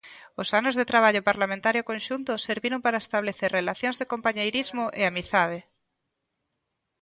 Os anos de traballo parlamentario conxunto serviron para establecer "relacións de compañeirismo e amizade".